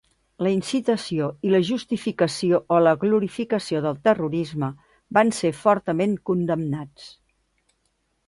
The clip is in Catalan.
La incitació i la justificació o la glorificació del terrorisme van ser fortament condemnats.